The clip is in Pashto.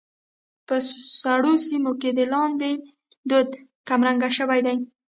په سړو سيمو کې د لاندي دود کمرنګه شوى دى.